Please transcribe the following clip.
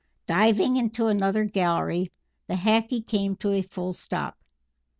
Diving into another gallery, the Hackee came to a full stop.